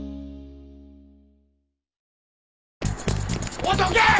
おいどけ！